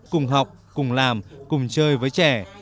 cùng học cùng làm cùng chơi với trẻ